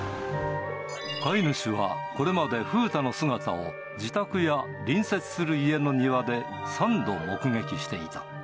飼い主はこれまでふうたの姿を自宅や隣接する家の庭で、３度目撃していた。